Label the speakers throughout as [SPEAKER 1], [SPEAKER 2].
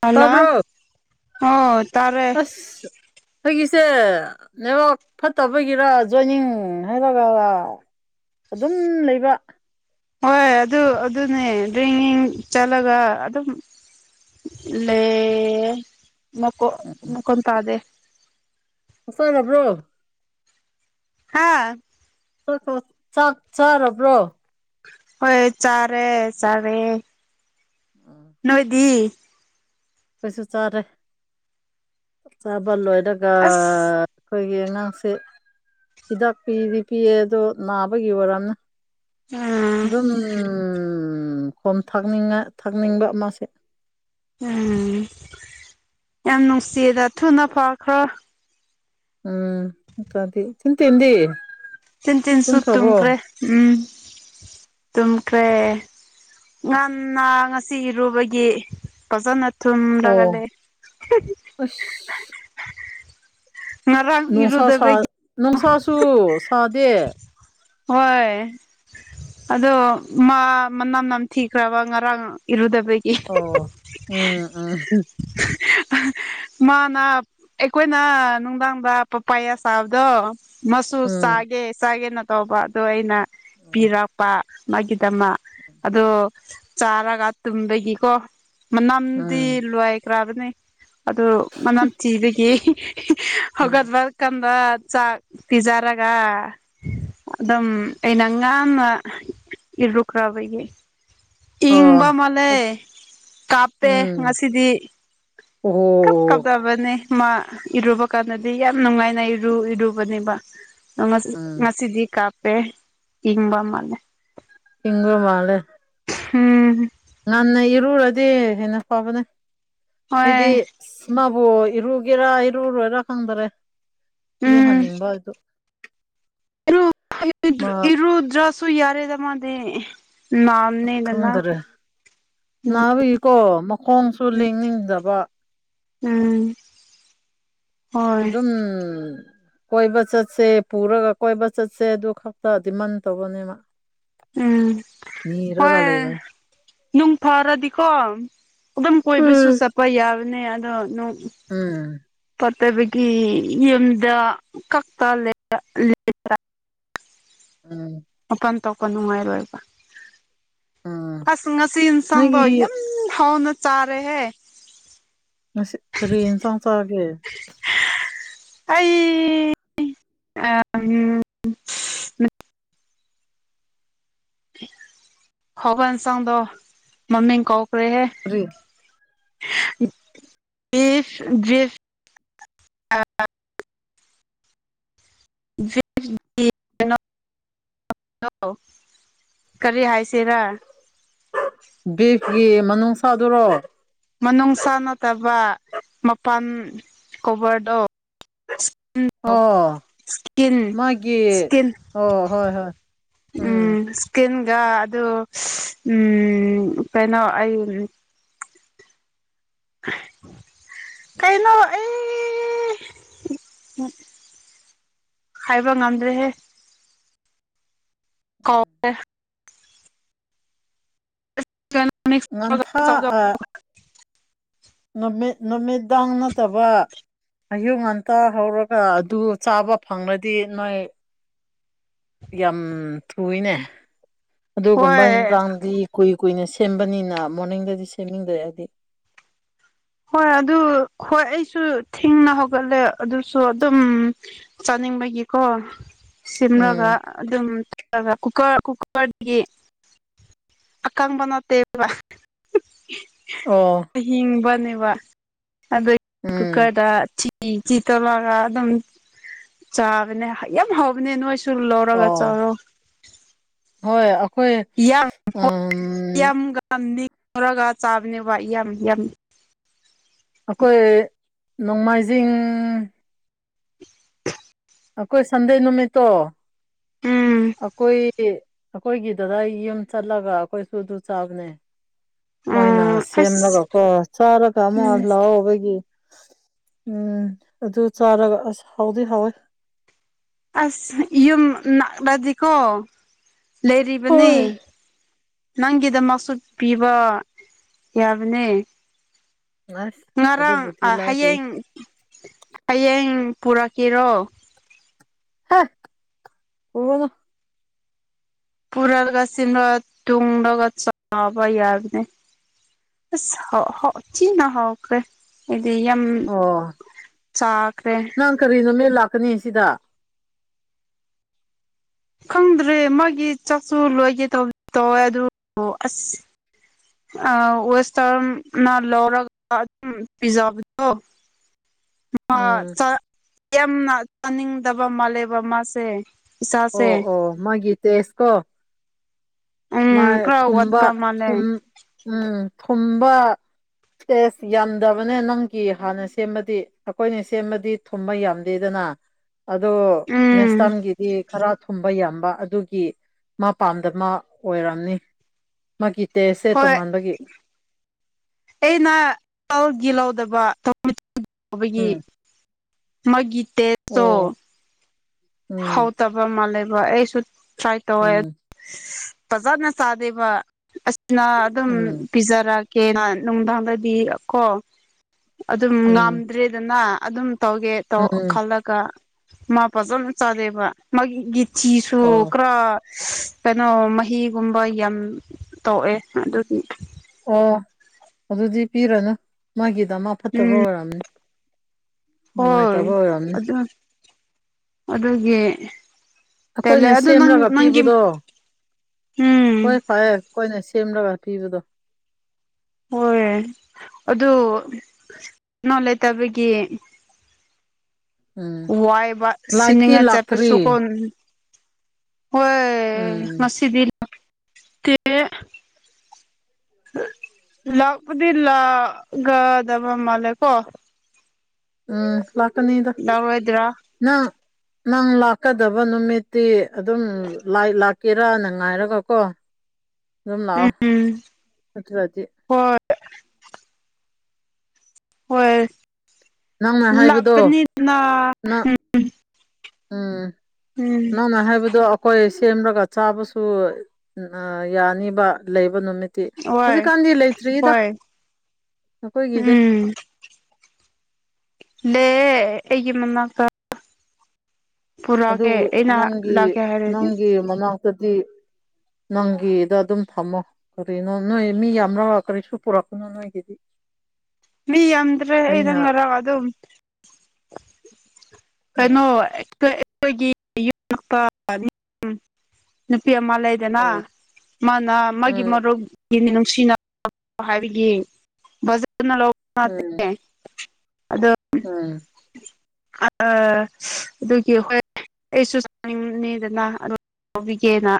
[SPEAKER 1] hello
[SPEAKER 2] ꯇꯥꯕ꯭ꯔꯣ
[SPEAKER 1] ꯑꯣ ꯇꯥꯔꯦ
[SPEAKER 2] ꯑꯥꯁ ꯑꯩꯒꯤ ꯁꯦ ꯅꯦꯠꯋꯥꯛ ꯐꯠꯇꯕꯒꯤꯔ ꯖꯣꯏꯟ ꯍꯥꯏꯔꯛꯂꯒ ꯑꯥꯗꯨꯝ ꯂꯩꯕ
[SPEAKER 1] ꯍꯣꯏ ꯑꯗꯨ ꯑꯗꯨꯅꯦ ꯔꯤꯡ ꯔꯤꯡ ꯆꯠꯂꯒ ꯑꯗꯨꯝ ꯂꯩ ꯌꯦ ꯃꯀꯣꯛ ꯃꯈꯣꯟ ꯇꯥꯗꯦ
[SPEAKER 2] UNINTELLIGIBLE
[SPEAKER 1] ꯍꯥꯑ
[SPEAKER 2] ꯆꯥꯛ ꯆꯥꯔꯥ ꯕ꯭ꯔꯣ
[SPEAKER 1] ꯍꯣꯏ ꯆꯥꯔꯦ -ꯆꯥꯔꯦ ꯅꯣꯏ ꯗꯤ
[SPEAKER 2] ꯈꯣꯏꯁꯦꯁꯨ ꯆꯥꯔꯦ ꯆꯥꯕ ꯂꯣꯏꯔꯒ ꯥ
[SPEAKER 1] ꯑꯁ
[SPEAKER 2] ꯑꯩꯈꯣꯏꯒꯤ ꯑꯉꯥꯡꯁꯦ ꯍꯤꯗꯥꯛ ꯄꯤꯗꯤ- ꯄꯤꯌꯦ ꯑꯗꯣ ꯅꯥꯕꯒꯤ ꯑꯣꯏꯔꯝꯅꯤ
[SPEAKER 1] ꯎꯝ
[SPEAKER 2] ꯗꯨꯝ ꯎꯪ ꯈꯣꯝ ꯊꯥꯛꯅꯤꯡꯉꯦ ꯊꯥꯛꯅꯤꯡꯕ ꯃꯥꯁꯦ
[SPEAKER 1] ꯎꯪ ꯌꯥꯝ ꯅꯨꯡꯁꯤꯌꯦꯗ ꯊꯨꯅꯥ ꯐꯥꯈ꯭ꯔꯣ
[SPEAKER 2] UNINTELLIGIBLE
[SPEAKER 1] ꯇꯤꯟꯇꯤꯟꯁꯨ ꯇꯨꯝꯈ꯭ꯔꯦ ꯎꯝ ꯇꯨꯝꯈ꯭ꯔꯦ ꯉꯟꯅꯥ ꯉꯁꯤ ꯏꯔꯨꯕꯒꯤ ꯐꯖꯅ ꯊꯨꯝꯗꯒ
[SPEAKER 2] ꯑꯣ
[SPEAKER 1] ꯂꯩꯌꯦ
[SPEAKER 2] ꯑꯁ ꯅꯣꯡꯁꯥ ꯁꯥ ꯅꯣꯡꯁꯥꯁꯨ ꯁꯥꯗꯦ
[SPEAKER 1] ꯍꯣꯏꯌꯦ ꯑꯗꯣ ꯃꯥ ꯃꯅꯝ ꯅꯝꯊꯤꯈ꯭ꯔꯥꯕ ꯉꯔꯥꯡ ꯏꯔꯨꯗꯕ INAUDIBLE
[SPEAKER 2] ꯑꯣ ꯎꯝ ꯎꯝ
[SPEAKER 1] ꯃꯥꯅꯥ ꯑꯩꯈꯣꯏꯅꯥ ꯅꯨꯡꯗꯥꯡꯗ ꯄꯄꯥꯌꯥ ꯆꯥꯕꯗꯣ ꯃꯥꯁꯨ
[SPEAKER 2] ꯎꯝ
[SPEAKER 1] ꯆꯥꯒꯦ-ꯆꯥꯒꯦꯅ ꯇꯧꯕ ꯗꯣ ꯑꯩꯅ ꯄꯤꯔꯛꯄ ꯃꯥꯒꯤ ꯇꯃꯛ ꯑꯗꯣ ꯆꯥꯔꯒ ꯇꯨꯝꯕꯒꯤꯀꯣ
[SPEAKER 2] ꯎꯝ
[SPEAKER 1] ꯃꯥꯅꯝꯗꯤ
[SPEAKER 2] ꯎꯝ
[SPEAKER 1] ꯂꯣꯏꯈ꯭ꯔꯕꯅꯤ ꯑꯗꯨ ꯃꯅꯝ ꯊꯤꯕꯒꯤ
[SPEAKER 2] ꯎꯝ
[SPEAKER 1] ꯍꯧꯒꯠꯄ ꯀꯟꯕ ꯆꯥꯛ ꯄꯤꯖꯥꯔꯒ ꯑꯗꯨꯝ ꯑꯩꯅ ꯉꯥꯃ ꯏꯜꯔꯨꯈ꯭ꯔꯕꯒꯤ ꯏꯪꯕ
[SPEAKER 2] ꯑꯣ
[SPEAKER 1] ꯃꯥꯂꯦ ꯀꯥꯞꯄꯦ
[SPEAKER 2] ꯎꯝ
[SPEAKER 1] ꯉꯁꯤꯗꯤ ꯀꯞ
[SPEAKER 2] ꯑꯣ
[SPEAKER 1] ꯀꯞꯄꯕꯅꯦ ꯃꯥ ꯏꯔꯨꯕ ꯀꯥꯟꯗꯗꯤ ꯌꯥꯝ ꯅꯨꯡꯉꯥꯏꯅ ꯏꯔꯨ ꯏꯔꯨꯕꯅꯦꯕ
[SPEAKER 2] ꯎꯝ
[SPEAKER 1] ꯉꯁꯤꯗꯤ ꯀꯥꯄꯦ ꯏꯕꯥ ꯏꯪꯕ ꯃꯥꯜꯂꯦ
[SPEAKER 2] ꯏꯪꯕ ꯃꯥꯂꯦ
[SPEAKER 1] ꯎꯝ
[SPEAKER 2] ꯉꯟꯅ ꯏꯔꯨꯔꯗꯤ ꯍꯦꯟꯅ ꯐꯕꯅꯦ ꯑꯩꯗꯤ
[SPEAKER 1] ꯍꯣꯏ
[SPEAKER 2] ꯑꯣꯕꯣ ꯏꯔꯨꯒꯦꯔꯥ ꯏꯔꯨꯔꯣꯏꯔꯥ ꯈꯪꯗꯔꯦ
[SPEAKER 1] ꯎꯝ
[SPEAKER 2] ꯏꯔꯨꯍꯟꯅꯤꯡꯕ ꯑꯗꯨ
[SPEAKER 1] ꯏꯔꯨ
[SPEAKER 2] ꯃꯥ
[SPEAKER 1] ꯏꯔꯨꯨ ꯏꯔꯗ꯭ꯔꯁꯨ ꯌꯥꯔꯦꯗ ꯃꯥꯅꯦꯗꯤ ꯅꯤꯅ
[SPEAKER 2] ꯅꯕꯒꯤꯀꯣ ꯃꯈꯣꯡꯁꯨ ꯂꯦꯡꯅꯤꯡꯗꯕ
[SPEAKER 1] ꯎꯝ ꯍꯣꯏ
[SPEAKER 2] ꯑꯗꯨꯝ ꯀꯣꯏꯕ ꯆꯠꯁꯦ ꯄꯨꯔꯒ ꯀꯣꯏꯕ ꯆꯠꯁꯦ ꯑꯗꯨ ꯈꯛꯇ ꯗꯤꯃꯟ ꯇꯧꯕꯅꯦꯕ
[SPEAKER 1] ꯎꯝ
[SPEAKER 2] ꯂꯩꯕ
[SPEAKER 1] ꯍꯣꯏ ꯅꯨꯡ ꯐꯔꯗꯤꯀꯣ ꯑꯗꯨꯝ ꯀꯣꯏꯕꯁꯨ
[SPEAKER 2] ꯎꯝ
[SPEAKER 1] ꯆꯠꯄ ꯌꯥ ꯑꯗꯣ
[SPEAKER 2] ꯎꯝ
[SPEAKER 1] ꯠꯇꯕꯒꯤ ꯌꯨꯝꯗ ꯀꯛꯇ ꯂꯩꯕ
[SPEAKER 2] ꯎꯝ
[SPEAKER 1] ꯃꯥꯄꯥꯟ ꯊꯣꯛꯄ ꯅꯨꯡꯉꯥꯏ ꯔꯣꯏꯕ
[SPEAKER 2] ꯎꯝ
[SPEAKER 1] ꯑꯁ ꯉꯁꯤ ꯏꯟꯁꯥꯡꯗꯣ
[SPEAKER 2] ꯅꯣꯏꯒꯤ
[SPEAKER 1] ꯌꯥꯝ ꯍꯥꯎꯅ ꯆꯥꯔꯦꯍꯦ
[SPEAKER 2] ꯉꯁꯤ ꯀꯔꯤ ꯑꯦꯟꯁꯥꯡ ꯆꯥꯒꯦ
[SPEAKER 1] ꯑꯩ ꯑꯥ ꯎꯝ ꯎ [unintelligible] ꯍꯧꯕ ꯏꯟꯁꯥꯡꯗꯣ ꯃꯃꯤꯡ ꯀꯥꯎ
[SPEAKER 2] ꯀꯔꯤ
[SPEAKER 1] ꯑꯦꯐ ꯗ꯭ꯔꯦꯐ [unintelligible] [unintelligible] ꯀꯩꯅꯣ ꯍꯜꯂꯣ ꯀꯔꯤ ꯍꯥꯏꯁꯤꯔꯥ
[SPEAKER 2] ꯕꯤꯐꯀꯤ ꯃꯅꯨꯡꯁꯥꯗꯨꯔꯣ
[SPEAKER 1] ꯃꯅꯨꯡꯁꯥ ꯅꯗꯕ ꯃꯄꯥꯟ ꯀꯣꯚꯔꯗꯣ ꯁꯀꯤꯟꯗꯣ
[SPEAKER 2] ꯑꯣ
[SPEAKER 1] ꯁꯀꯤꯜ
[SPEAKER 2] ꯃꯥꯒꯤ
[SPEAKER 1] ꯁꯀꯤꯜ
[SPEAKER 2] ꯑꯣ ꯍꯣꯏ ꯍꯣꯏ
[SPEAKER 1] ꯎꯝ ꯏꯁꯀꯤꯟ ꯑꯗꯨ ꯎꯝ ꯀꯩꯅꯣ ꯑꯩ ꯀꯩꯅꯣ ꯑꯩ ꯎ ꯍꯥꯏꯕ ꯉꯝꯗ꯭ꯔꯦꯍꯦ ꯀꯥꯎꯈꯔꯦ
[SPEAKER 2] ꯉꯟꯊꯥ ꯑꯥ ꯅꯨꯃꯤꯠ ꯅꯨꯃꯤꯗꯥꯡ ꯅꯠꯇꯕ ꯑꯌꯨꯛ ꯉꯟꯇꯥ ꯍꯧꯔꯒ ꯑꯗꯨ ꯆꯥꯕ ꯐꯪꯂꯗꯤ ꯅꯣꯏ ꯌꯥꯝ ꯊꯨꯏꯅꯦ ꯑꯗꯨꯒꯨꯝꯕ
[SPEAKER 1] ꯍꯣꯏ
[SPEAKER 2] ꯌꯦꯟꯁꯥꯡꯗꯤ ꯀꯨꯏ ꯀꯨꯏꯅ ꯁꯦꯝꯕꯅꯤꯅ ꯃꯣꯔꯅꯤꯡꯗꯗꯤ ꯁꯦꯝꯅꯤꯡꯗ꯭ꯔꯦ ꯑꯩꯗꯤ
[SPEAKER 1] ꯍꯣꯏ ꯑꯗꯨ ꯍꯣꯏ ꯑꯩꯁꯨ ꯊꯦꯡꯅ ꯍꯧꯒꯠꯂꯦ ꯑꯗꯨꯁꯨ ꯑꯗꯨꯝ ꯆꯅꯤꯡꯕꯒꯤꯀꯣ
[SPEAKER 2] ꯎꯝ
[SPEAKER 1] ꯁꯦꯝꯂꯒ ꯑꯗꯨꯝ ꯑꯗꯨꯒ ꯀꯨꯀꯔ ꯀꯨꯀꯔꯗꯒꯤ ꯑꯀꯥꯡꯕ ꯅꯠꯇꯦ ꯄꯨꯔꯥ ꯍꯤꯍꯤ
[SPEAKER 2] ꯑꯣ
[SPEAKER 1] ꯑꯍꯤꯡꯕꯅꯦꯕ ꯑꯗꯒꯤ
[SPEAKER 2] ꯎꯝ
[SPEAKER 1] ꯀꯨꯀꯔꯗ ꯏꯤ ꯆꯤ ꯇꯧꯂꯛꯒ ꯑꯗꯨꯝ ꯆꯥꯕꯅꯦ ꯌꯥꯝ ꯍꯧꯕꯅꯦ ꯅꯣꯏꯁꯨ ꯂꯧꯔꯒ
[SPEAKER 2] ꯑꯣ
[SPEAKER 1] ꯆꯔꯣ
[SPEAKER 2] ꯍꯣꯏ ꯑꯩꯈꯣꯏ ꯎꯝ
[SPEAKER 1] ꯥꯂꯧꯔꯒ ꯆꯥꯕꯅꯦ ꯌꯥꯝ ꯌꯥꯝ
[SPEAKER 2] ꯑꯩꯈꯣꯏ ꯅꯣꯡꯃꯥꯏꯖꯤꯡ ꯑꯩꯈꯣꯏ ꯁꯟꯗꯦ ꯅꯨꯃꯤꯠꯇꯣ
[SPEAKER 1] ꯎꯝ
[SPEAKER 2] ꯑꯩꯈꯣꯏ ꯑꯩꯈꯣꯏꯒꯤ ꯗꯗꯥꯒꯤ ꯌꯨꯝ ꯆꯠꯂꯒ ꯑꯩꯈꯣꯏꯁꯨ ꯑꯗꯨ ꯆꯥꯕꯅꯦ ꯃꯣꯏꯅ
[SPEAKER 1] ꯎꯝ
[SPEAKER 2] ꯁꯦꯝꯂꯒ
[SPEAKER 1] ꯑꯁ
[SPEAKER 2] ꯀꯣ ꯆꯥꯔꯒ ꯑꯃ
[SPEAKER 1] ꯎꯝ
[SPEAKER 2] ꯂꯧꯑꯣꯕꯒꯤ ꯎꯝ ꯑꯗꯨ ꯆꯥꯔꯒ ꯑꯁ ꯍꯥꯎꯗꯤ ꯍꯥꯎꯋꯦ
[SPEAKER 1] ꯑꯁ ꯌꯨꯝ ꯅꯥꯛꯔꯗꯤꯀꯣ ꯂꯩꯔꯤꯕꯅꯦ
[SPEAKER 2] ꯍꯣꯏ
[SPEAKER 1] ꯅꯪꯒꯤꯗꯃꯛꯁꯨ ꯄꯤꯕ ꯌꯥꯕꯅꯦ
[SPEAKER 2] ꯑꯁ
[SPEAKER 1] ꯉꯔꯥꯡ
[SPEAKER 2] ꯑꯗꯨꯕꯨꯗꯤ ꯂꯥꯏꯔꯤ
[SPEAKER 1] ꯍꯌꯦꯡ ꯍꯌꯦꯡ ꯄꯨꯔꯛ ꯀꯦꯔꯣ
[SPEAKER 2] ꯍꯦ ꯄꯨꯒꯅꯨ
[SPEAKER 1] ꯄꯨꯔꯒꯁꯤ ꯇꯨꯡꯗꯒ ꯆꯕ ꯌꯥꯕꯅꯦ ꯑꯁ ꯍ ꯥꯎ ꯍ ꯥꯎ ꯆꯤꯅꯥ ꯍꯥꯎꯈ꯭ꯔꯦ ꯕꯤꯌꯝ
[SPEAKER 2] ꯑꯣ
[SPEAKER 1] ꯆꯥ
[SPEAKER 2] ꯅꯪ ꯀꯔꯤ ꯅꯨꯃꯤꯠ ꯂꯥꯛꯀꯅꯤ ꯁꯤꯗ
[SPEAKER 1] ꯈꯪꯗ꯭ꯔꯦ ꯃꯥꯒꯤ ꯆꯥꯛꯁꯨ ꯂꯣꯏꯒꯦ ꯇꯧꯕ ꯇꯧꯋꯦ ꯑꯗꯨꯕꯨ ꯑꯁ ꯑꯥ ꯋꯦꯁꯇꯔꯅ ꯂꯧꯔꯒ ꯑꯗꯨꯝ ꯄꯤꯖꯥꯕꯗꯣ ꯝꯥ
[SPEAKER 2] ꯎꯝ
[SPEAKER 1] ꯆꯥꯛ ꯌꯥꯝꯅ ꯆꯥꯅꯤꯡꯗꯕ ꯃꯥꯜꯂꯦꯕ ꯃꯥꯁꯦ ꯏꯁꯥꯁꯦ
[SPEAKER 2] ꯑꯣ ꯑꯣ ꯃꯥꯒꯤ ꯇꯦꯁꯇꯣ
[SPEAKER 1] ꯎꯝ
[SPEAKER 2] ꯃꯥꯥꯏ
[SPEAKER 1] ꯈꯔ
[SPEAKER 2] ꯊꯨꯝꯕ
[SPEAKER 1] ꯋꯥꯠꯄ ꯃꯥꯜꯂꯦ
[SPEAKER 2] ꯊꯨꯝ ꯎꯝ ꯊꯨꯝꯕ ꯇꯦꯁ ꯌꯥꯝꯗꯕꯅꯦ ꯅꯪꯒꯤ ꯍꯥꯟꯅ ꯁꯦꯝꯕꯗꯤ ꯑꯩꯈꯣꯏꯅ ꯁꯦꯝꯃꯗꯤ ꯊꯨꯝꯕ ꯌꯥꯝꯗꯦꯗꯅ ꯑꯥ ꯑꯗꯣ
[SPEAKER 1] ꯎꯝ
[SPEAKER 2] ꯅꯦꯛꯁꯇꯟ ꯒꯤꯗꯤ ꯈꯔ ꯊꯨꯝꯕ ꯌꯥꯝꯕ ꯑꯗꯨꯒꯤ ꯃꯥ ꯄꯥꯝꯗꯕ ꯑꯣꯏꯔꯝꯅꯤ ꯃꯥꯒꯤ ꯇꯦꯁꯁꯦ
[SPEAKER 1] ꯍꯣꯏ
[SPEAKER 2] ꯇꯣꯉꯥꯟꯕꯒꯤ
[SPEAKER 1] ꯑꯩꯅ [unintelligible] ꯒꯤ ꯂꯧꯗꯕꯒꯤ
[SPEAKER 2] ꯎꯝ
[SPEAKER 1] ꯃꯥꯒꯤ
[SPEAKER 2] ꯑꯣ ꯎꯝ
[SPEAKER 1] ꯍꯧꯇꯕ ꯃꯥꯜꯂꯦꯕ ꯑꯩꯁꯨ ꯇ꯭ꯔꯥꯏ ꯇꯧꯋꯦ
[SPEAKER 2] ꯎꯝ
[SPEAKER 1] ꯐꯖꯅ ꯆꯥꯗꯦꯕ ꯑꯁꯤꯅ ꯑꯗꯨꯝ
[SPEAKER 2] ꯎꯝ
[SPEAKER 1] ꯄꯤꯖꯔꯦ ꯀꯦ ꯅꯨꯡꯗꯥꯡꯗꯗꯤ ꯀꯣ ꯑꯗꯨꯝ
[SPEAKER 2] ꯎꯝ
[SPEAKER 1] ꯉꯝꯗ꯭ꯔꯦꯗꯅ ꯑꯗꯨꯝ ꯇꯧꯒꯦ ꯇꯧ
[SPEAKER 2] ꯎꯝ
[SPEAKER 1] ꯈꯜꯂꯒ ꯃꯥ ꯐꯖꯅ ꯆꯥꯗꯦꯕ ꯃꯥꯒꯤ ꯒꯤ ꯆꯤꯁꯨ
[SPEAKER 2] ꯑꯣ
[SPEAKER 1] ꯀꯔ ꯀꯩꯅꯣ ꯃꯍꯤꯒꯨꯝꯕ ꯌꯥꯝ ꯇꯧꯑꯦ ꯑꯗꯨꯗꯤ
[SPEAKER 2] ꯑꯣ ꯑꯗꯨꯗꯤ ꯄꯤꯔꯅꯨ ꯃꯥꯒꯤꯗ ꯃꯛ ꯐꯠꯇꯕ
[SPEAKER 1] ꯎꯝ
[SPEAKER 2] ꯑꯣꯏꯔꯝꯅꯤ
[SPEAKER 1] ꯍꯣꯏ
[SPEAKER 2] ꯅꯨꯡꯉꯥꯏꯇꯕ ꯑꯣꯏꯔꯝꯅꯤ
[SPEAKER 1] ꯑꯗꯨ ꯑꯗꯨꯒꯤ ꯇꯜꯂꯦ
[SPEAKER 2] ꯑꯩꯈꯣꯏꯅ
[SPEAKER 1] ꯑꯗꯨ ꯅꯪ
[SPEAKER 2] ꯁꯦꯝꯂꯒ
[SPEAKER 1] ꯅꯪꯒꯤ
[SPEAKER 2] ꯄꯤꯕꯗꯣ ꯍꯣꯏ
[SPEAKER 1] ꯎꯝ
[SPEAKER 2] ꯐꯔꯦ ꯑꯩꯈꯣꯏꯅ ꯁꯦꯝꯂꯒ ꯄꯤꯕꯗꯣ
[SPEAKER 1] ꯍꯣꯏ ꯑꯗꯨ ꯅꯪ ꯂꯩꯇꯕꯒꯤ
[SPEAKER 2] ꯎꯝ
[SPEAKER 1] ꯋꯥꯏꯕ
[SPEAKER 2] ꯂꯥꯏꯠꯇꯤ
[SPEAKER 1] ꯁꯤꯅꯤꯡꯉ ꯆꯠꯄ
[SPEAKER 2] ꯂꯥꯛꯇ꯭ꯔꯤ
[SPEAKER 1] ꯁꯨꯀꯣ ꯍꯣꯏ
[SPEAKER 2] ꯎꯝ
[SPEAKER 1] ꯉꯁꯤꯗꯤ ꯂꯥꯛꯞꯗꯤ ꯂꯥꯛꯒꯗꯕ ꯃꯥꯂꯦꯀꯣ
[SPEAKER 2] ꯎꯝ ꯂꯥꯛꯀꯅꯤꯗ ꯅꯪ ꯅꯪ ꯂꯥꯛꯀꯗꯕ ꯅꯨꯃꯤꯠꯇꯤ ꯑꯗꯨꯝ ꯂꯥꯏ ꯂꯥꯛꯀꯦꯔꯥꯅ ꯉꯥꯏꯔꯒ ꯀꯣ
[SPEAKER 1] [inaudible]
[SPEAKER 2] ꯑꯗꯨꯝ ꯂꯥꯛꯑꯣ
[SPEAKER 1] ꯎꯝ
[SPEAKER 2] ꯅꯠꯇ꯭ꯔꯗꯤ
[SPEAKER 1] ꯍꯣꯏ ꯍꯣꯏ
[SPEAKER 2] ꯅꯪꯅ ꯍꯥꯏꯕꯗꯣ
[SPEAKER 1] ꯂꯥꯞꯄꯅꯤꯅ
[SPEAKER 2] ꯅꯪ
[SPEAKER 1] ꯎꯝ
[SPEAKER 2] ꯎꯝ ꯅꯪꯅ ꯍꯥꯏꯕꯗꯣ ꯑꯩꯈꯣꯏ ꯁꯦꯝꯂꯒ ꯆꯥꯕꯁꯨ ꯌꯥꯅꯤꯕ ꯂꯩꯕ ꯏꯀꯣꯅꯨꯃꯤꯠꯇꯤ
[SPEAKER 1] ꯍꯣꯏ
[SPEAKER 2] ꯍꯧꯖꯤꯛꯀꯥꯟꯗꯤ ꯂꯩꯇ꯭ꯔꯤꯗ
[SPEAKER 1] ꯍꯣꯏ
[SPEAKER 2] ꯑꯩꯈꯣꯏꯒꯤꯗꯤ
[SPEAKER 1] ꯎꯝ ꯂꯩꯌꯦ ꯑꯩꯒꯤ ꯃꯅꯥꯛꯇ ꯄꯨꯔꯛꯀꯦ
[SPEAKER 2] ꯑꯗꯨꯕꯨ
[SPEAKER 1] ꯑꯩꯅ
[SPEAKER 2] ꯅꯪꯒꯤ
[SPEAKER 1] ꯂꯥꯛꯀꯦ ꯍꯥꯏꯔꯗꯤ
[SPEAKER 2] ꯅꯪꯒꯤ ꯃꯅꯥꯛꯇꯗꯤ ꯅꯪꯒꯤꯗ ꯑꯗꯨꯝ ꯊꯝꯃꯣ ꯀꯔꯤꯅꯣ ꯅꯣꯏ ꯃꯤ ꯌꯥꯝꯔꯥ ꯀꯔꯤꯁꯨ ꯄꯨꯔꯛꯀꯅꯣ ꯅꯣꯏꯒꯤꯗꯤ
[SPEAKER 1] ꯃꯤ ꯌꯥꯝꯗ꯭ꯔꯦ
[SPEAKER 2] ꯑꯩꯅ
[SPEAKER 1] ꯑꯩꯗꯪ ꯉꯔ ꯑꯗꯨꯝ ꯀꯩꯅꯣ
[SPEAKER 2] ꯎꯝ
[SPEAKER 1] ꯑꯩꯈꯣꯏꯒꯤ ꯌꯨꯝ [unintelligible] ꯅꯨꯄꯤ ꯑꯃ ꯂꯩꯗꯅ
[SPEAKER 2] ꯎꯝ
[SPEAKER 1] ꯃꯥꯅ ꯃꯥꯒꯤ
[SPEAKER 2] ꯎꯝ
[SPEAKER 1] ꯃꯔꯨꯞ ꯑꯩꯗꯤ ꯅꯨꯡꯁꯤꯅꯕ ꯍꯥꯏꯕꯒꯤ [unintelligible] ꯂꯧꯕ
[SPEAKER 2] ꯎꯝ
[SPEAKER 1] ꯅꯠꯇꯦ
[SPEAKER 2] ꯎꯝ
[SPEAKER 1] ꯥꯑ ꯑꯗꯨꯒꯤ ꯍꯣꯏ ꯑꯩꯁꯨ ꯆꯥꯅꯤꯡ ꯉꯤꯗꯅ ꯑꯗꯨꯝ ꯂꯧꯕꯤꯒꯦꯅ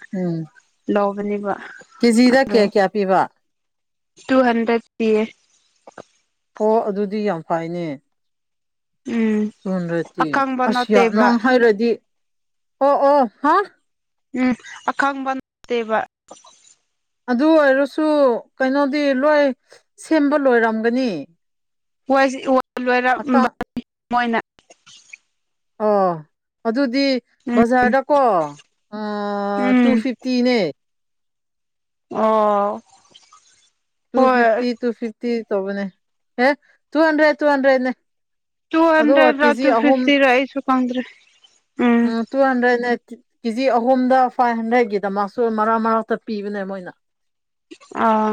[SPEAKER 1] ꯂꯧꯕꯅꯦꯕ
[SPEAKER 2] ꯀꯦꯖꯤꯗꯥ ꯀꯌꯥ
[SPEAKER 1] ꯑꯗꯣ
[SPEAKER 2] ꯀꯌꯥ ꯄꯤꯕ
[SPEAKER 1] ꯇꯨ ꯍꯟꯗ꯭ꯔꯦꯠ ꯄꯤꯌꯦ
[SPEAKER 2] ꯑꯣ ꯑꯗꯨꯗꯤ ꯌꯥꯝ ꯐꯩꯅꯦ
[SPEAKER 1] ꯎꯝ
[SPEAKER 2] ꯇꯨꯍꯟꯗ꯭ꯔꯠꯗꯤ
[SPEAKER 1] ꯑꯀꯪꯕ
[SPEAKER 2] ꯑꯁꯤ
[SPEAKER 1] ꯅꯠꯇꯦꯕ
[SPEAKER 2] ꯅꯪ ꯍꯥꯏꯔꯗꯤ ꯑꯣ ꯑꯣ ꯍꯥ
[SPEAKER 1] ꯎꯝ ꯑꯈꯪꯕ ꯅꯠꯇꯦꯕ
[SPEAKER 2] ꯑꯗꯨ ꯑꯣꯏꯔꯁꯨ ꯀꯩꯅꯣꯗꯤ ꯂꯣꯏ ꯁꯦꯝꯕ ꯂꯣꯏꯔꯝꯒꯅꯤ ꯑꯀꯥ
[SPEAKER 1] [unintelligible] ꯃꯣꯏꯅ
[SPEAKER 2] ꯑꯣ ꯑꯗꯨ ꯑꯗꯨꯗꯤ
[SPEAKER 1] ꯎꯝ
[SPEAKER 2] ꯕꯖꯥꯔꯗꯀꯣ ꯑꯥ ꯇꯨ
[SPEAKER 1] ꯎꯝ
[SPEAKER 2] ꯐꯤꯚꯇꯤꯅꯦ
[SPEAKER 1] ꯑꯣ
[SPEAKER 2] ꯇꯨ
[SPEAKER 1] ꯍꯣꯏ
[SPEAKER 2] ꯐꯤꯐꯇꯤ ꯇꯨ ꯐꯤꯐꯇꯤ ꯇꯧꯕꯅꯦ ꯍꯦ ꯇꯨ ꯍꯟꯗ꯭ꯔꯦꯠ ꯇꯨ ꯍꯟꯗ꯭ꯔꯦꯠꯅꯦ
[SPEAKER 1] ꯇꯨ
[SPEAKER 2] ꯑꯗꯨꯒ
[SPEAKER 1] ꯍꯟꯗ꯭ꯔꯦꯗ ꯔ
[SPEAKER 2] ꯀꯦꯖꯤ
[SPEAKER 1] ꯇꯨ
[SPEAKER 2] ꯑꯍꯨꯝ
[SPEAKER 1] ꯐꯤꯐꯇꯤꯔ ꯑꯩꯁꯨ ꯀꯪꯗ꯭ꯔꯦ
[SPEAKER 2] ꯎꯝ ꯇꯨ ꯍꯟꯗ꯭ꯔꯦꯠꯅꯦ ꯀꯦꯖꯤ ꯑꯍꯨꯝꯗ ꯐꯥꯏꯚ ꯍꯟꯗ꯭ꯔꯦꯠꯀꯤꯗꯃꯛꯁꯨ ꯃꯔꯛ ꯃꯔꯛꯇ ꯄꯤꯕꯅꯦ ꯃꯣꯏꯅ
[SPEAKER 1] ꯑꯥ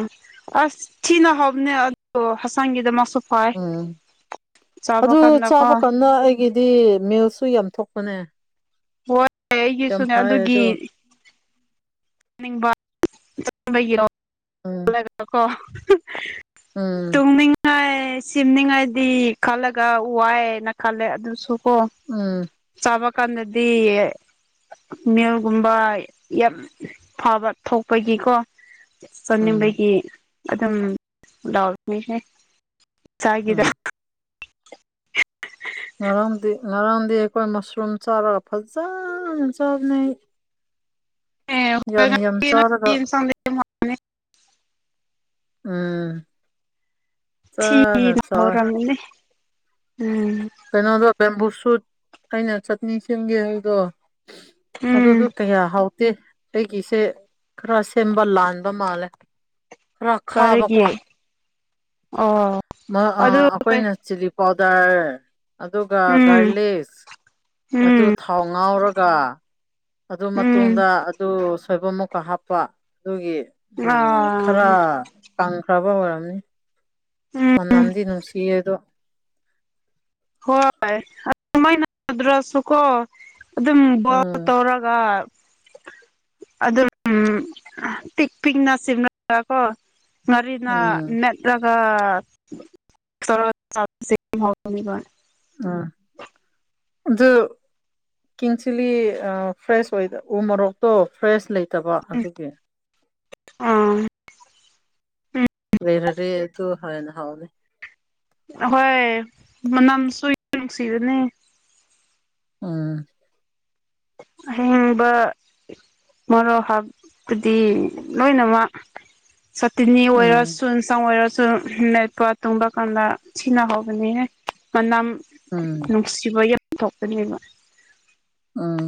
[SPEAKER 1] ꯑꯁ ꯊꯤꯅ ꯍꯥꯎꯕꯅꯦ ꯑꯗꯣ ꯍꯆꯥꯡꯒꯤꯗꯃꯛ
[SPEAKER 2] ꯎꯝ ꯑꯗꯨ
[SPEAKER 1] ꯀꯥꯟꯗꯀꯣ
[SPEAKER 2] ꯆꯥꯕ ꯀꯥꯟꯗ ꯑꯩꯒꯤꯗꯤ ꯃꯤꯜꯛ ꯁꯨ ꯌꯥꯝ ꯊꯣꯛꯄꯅꯦ
[SPEAKER 1] ꯍꯣꯏ
[SPEAKER 2] ꯌꯥꯝ
[SPEAKER 1] ꯑꯩꯒꯤꯁꯨꯅꯦ
[SPEAKER 2] ꯐꯩ
[SPEAKER 1] ꯑꯗꯨꯒꯤ
[SPEAKER 2] ꯑꯗꯣ
[SPEAKER 1] ꯅꯤꯡꯕ [unintelligible] ꯠꯒꯤꯔꯣ
[SPEAKER 2] ꯎꯝ
[SPEAKER 1] ꯀꯣ
[SPEAKER 2] ꯎꯝ
[SPEAKER 1] ꯇꯨꯝꯅꯤꯡꯉꯦ ꯁꯦꯝꯅꯤꯡꯉꯥꯏꯗꯤ ꯈꯜꯂꯒ ꯋꯥꯏꯌꯦꯅ ꯈꯜꯂꯦ ꯑꯗꯨꯁꯨ ꯑꯣ
[SPEAKER 2] ꯎꯝ
[SPEAKER 1] ꯆꯥꯕ ꯀꯥꯟꯗꯗꯤ ꯃꯤꯜꯒꯨꯝꯕ ꯌꯥꯝ ꯐꯕ ꯊꯣꯛꯄꯒꯤꯀꯣ
[SPEAKER 2] ꯎꯝ
[SPEAKER 1] ꯆꯅꯤꯡꯕꯒꯤ ꯑꯗꯨꯝ ꯂꯥꯎꯅꯤꯍꯦ
[SPEAKER 2] ꯎꯝ
[SPEAKER 1] ꯆꯥꯏꯒꯤꯗ
[SPEAKER 2] ꯉꯔꯥꯡꯗꯤ- ꯉꯔꯥꯡꯗꯤ ꯑꯩꯈꯣꯏ ꯃꯁꯔꯨꯝ ꯆꯥꯔꯒ ꯐꯖꯥꯅ ꯆꯥꯕꯅꯦ ꯑꯩ ꯌꯥꯝ- ꯌꯥꯝ ꯆꯥꯔꯒ ꯎꯪ ꯆꯥ
[SPEAKER 1] UNINTELLIGIBLE
[SPEAKER 2] ꯀꯩꯅꯣꯗꯣ ꯕꯦꯝꯕꯨꯁꯨꯠ ꯑꯩꯅ ꯆꯠꯇꯅꯤ ꯁꯦꯝꯒꯦ ꯍꯥꯏꯕꯗꯣ
[SPEAKER 1] ꯎꯝ
[SPEAKER 2] ꯑꯗꯨꯗꯣ ꯀꯌꯥꯍꯥꯎꯇꯦ ꯑꯩꯒꯤꯁꯦ ꯈꯔꯥ ꯁꯦꯝꯕ ꯂꯥꯜꯕ ꯃꯥꯟꯂꯦ ꯈꯔꯥ
[SPEAKER 1] ꯀꯔꯤꯒꯤ
[SPEAKER 2] ꯈꯥꯕꯀꯣ
[SPEAKER 1] ꯑꯣ
[SPEAKER 2] ꯃꯥ ꯑꯥ
[SPEAKER 1] ꯑꯗꯨ ꯀꯩ
[SPEAKER 2] ꯑꯩꯈꯣꯏꯅ ꯆꯤꯂꯤ ꯄꯥꯎ ꯗꯔ ꯑꯗꯨꯒ
[SPEAKER 1] ꯎꯝ
[SPEAKER 2] ꯒꯥꯔꯂꯤꯛꯁ ꯑꯗꯨ
[SPEAKER 1] ꯎꯝ
[SPEAKER 2] ꯊꯥꯎ ꯉꯧꯔ ꯑꯗꯨ ꯃꯇꯨꯡꯗ
[SPEAKER 1] ꯎꯝ
[SPEAKER 2] ꯑꯗꯨ ꯁꯣꯏꯕꯨꯝ ꯃꯨꯛꯀ ꯍꯥꯞꯄ ꯑꯗꯨꯒꯤ ꯎꯪ ꯈꯔꯥ
[SPEAKER 1] ꯑꯥ
[SPEAKER 2] ꯀꯪꯈ꯭ꯔꯕ ꯑꯣꯏꯔꯝꯅꯤ
[SPEAKER 1] ꯎꯝ
[SPEAKER 2] ꯃꯥꯅꯝꯗꯤ ꯅꯨꯡꯁꯤꯌꯦ ꯑꯗꯣ
[SPEAKER 1] ꯍꯣꯏꯌꯦ ꯑꯗꯨꯃꯥꯏꯅ ꯇꯧꯗ꯭꯭ꯔꯁꯨ ꯀꯣ ꯑꯗꯨꯝ ꯕꯣꯔꯠꯇ
[SPEAKER 2] ꯎꯝ
[SPEAKER 1] ꯇꯧꯔꯒ ꯑꯗꯨꯝ ꯄꯤꯛ-ꯄꯤꯛꯅ ꯆꯤꯡꯂꯒ ꯀꯣ
[SPEAKER 2] ꯎꯝ
[SPEAKER 1] UNINTELLIGIBLE
[SPEAKER 2] ꯑꯪ ꯑꯥꯗꯨ ꯀꯤꯡ ꯆꯤꯂꯤ ꯑꯥ ꯐ꯭ꯔꯦꯁ ꯑꯣꯏ ꯎ ꯃꯣꯔꯣꯛꯇꯣ ꯐ꯭ꯔꯦꯁ ꯂꯩ ꯇꯕ ꯑꯗꯨꯒꯤ
[SPEAKER 1] INAUDIBLE
[SPEAKER 2] UNINTELLIGIBLE
[SPEAKER 1] ꯑꯥꯍꯣꯏ ꯃꯅꯝꯁꯨꯨ ꯅꯨꯡꯁꯤꯕꯅꯦ
[SPEAKER 2] ꯎꯪ
[SPEAKER 1] ꯑꯥꯍꯤꯡꯕ ꯃꯔꯣꯛ ꯍꯥꯞ ꯄꯨꯗꯤ ꯂꯣꯏꯅꯃꯛ
[SPEAKER 2] ꯎꯝ
[SPEAKER 1] UNINTELLIGIBLE ꯁꯨ ꯃꯦꯠꯄ ꯒꯨꯝꯕ ꯀꯥꯟꯗ ꯁꯤꯅꯍꯥꯎꯕꯅꯤꯍꯦ ꯃꯅꯝ
[SPEAKER 2] ꯎꯝ
[SPEAKER 1] ꯅꯨꯡꯁꯤꯕ ꯌꯥꯝ ꯊꯣꯛꯄꯅꯦ ꯥꯕ
[SPEAKER 2] ꯎꯪ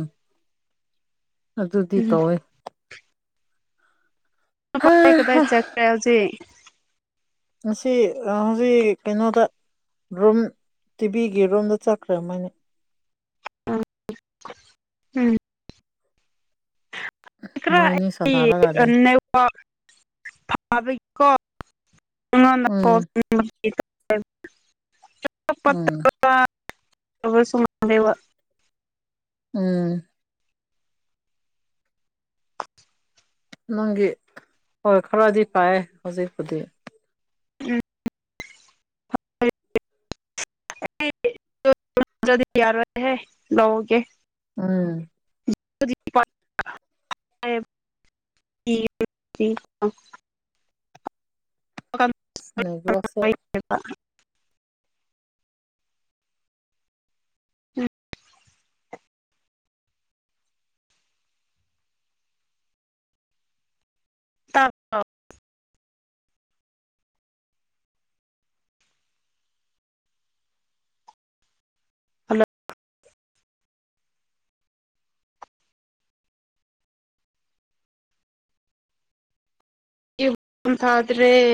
[SPEAKER 2] ꯑꯗꯨꯗꯤ
[SPEAKER 1] ꯎꯝ
[SPEAKER 2] ꯇꯧ ꯋꯦ
[SPEAKER 1] ꯀꯗꯥꯢ-ꯀꯗꯥꯢ ꯆꯦꯠꯀꯦ ꯍꯧꯖꯤꯛ
[SPEAKER 2] ꯉꯥꯁꯤ ꯍꯧꯖꯤꯛ ꯀꯩꯅꯣꯗ ꯔꯨꯝ ꯇꯤꯚꯤꯒꯤ ꯔꯨꯝꯗ ꯆꯠꯈ꯭ꯔ ꯃꯥꯅꯦ
[SPEAKER 1] INAUDIBLE
[SPEAKER 2] ꯃꯣꯏꯅꯤ ꯁꯥꯟꯅꯔꯒ ꯂꯩ
[SPEAKER 1] UNINTELLIGIBLE ꯊꯥꯕꯒꯤꯀꯣ
[SPEAKER 2] ꯎꯝ
[SPEAKER 1] ꯑꯩꯉꯣꯟꯗ ꯄꯥꯎ
[SPEAKER 2] ꯎꯝ
[SPEAKER 1] UNINTELLIGIBLE UNINTELLIGIBLE
[SPEAKER 2] ꯎꯪ ꯅꯪꯒꯤ ꯍꯣꯏ ꯈꯔꯥꯗꯤ ꯄꯥꯏꯌꯦ ꯍꯧꯖꯤꯛꯄꯨꯗꯤ
[SPEAKER 1] ꯎꯪ UNINTELLIGIBLE
[SPEAKER 2] ꯎꯪ
[SPEAKER 1] UNINTELLIGIBLE [unintelligible]
[SPEAKER 2] ꯑꯁ ꯅꯦꯠꯋꯥꯛꯁꯦ
[SPEAKER 1] ꯇꯗ꯭ꯔꯣ ꯍꯜꯂꯣ [unintelligible]